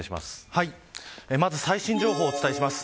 まず最新情報をお伝えします。